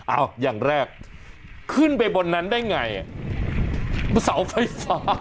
อ้าวอย่างแรกขึ้นไปบนนั้นได้ไงสาวไฟฟ้า